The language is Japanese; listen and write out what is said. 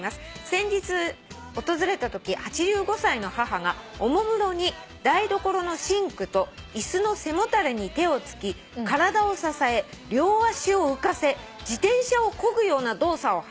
「先日訪れたとき８５歳の母がおもむろに台所のシンクと椅子の背もたれに手をつき体を支え両足を浮かせ自転車をこぐような動作を始めました」